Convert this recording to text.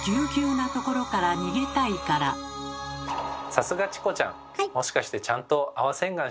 さすがチコちゃん！